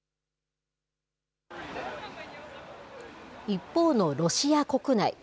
一方のロシア国内。